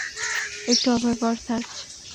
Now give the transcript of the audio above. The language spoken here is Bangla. একটু অপেক্ষা কর, সার্জ!